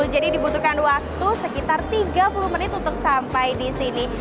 jadi dibutuhkan waktu sekitar tiga puluh menit untuk sampai di sini